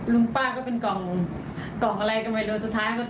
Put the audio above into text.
ลุงป้าก็เป็นกล่องกล่องอะไรก็ไม่รู้สุดท้าย